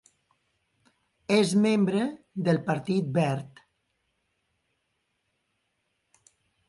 És membre del Partit Verd.